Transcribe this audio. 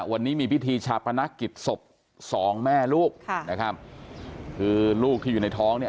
วันนี้มีพิธีชาปนกิจศพสองแม่ลูกค่ะนะครับคือลูกที่อยู่ในท้องเนี่ย